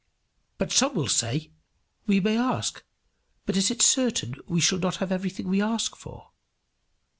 But some will say, "We may ask, but it is certain we shall not have everything we ask for."